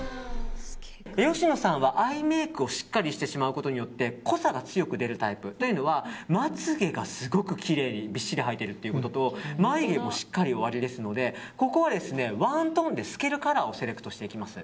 芳野さんはアイメイクをしっかりしてしまうことによって濃さが強く出るタイプ。というのはまつ毛が動くきれいにびっしり生えているということと眉毛もしっかりおありですのでここはワントーンで透けるカラーをセレクトしていきます。